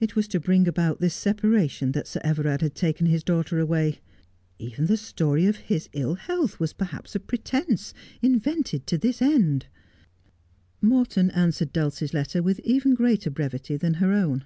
It was to bring about this separation that Sir Everard had taken his daughter awav. Even the story of his ill health was perhaps a pretence inventeil to this end. Whistled down the Wind. 165 Morton answered Dulcie's letter with even greater brevity than her own.